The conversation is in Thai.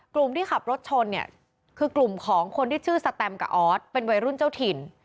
กลุ่มที่ขับรถชนเนี่ยคือกลุ่มของคนที่ชื่อสแตมกับออสเป็นวัยรุ่นเจ้าถิ่น